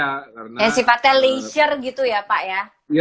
yang sifatnya leisure gitu ya pak ya